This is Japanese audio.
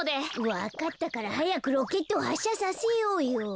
わかったからはやくロケットをはっしゃさせようよ。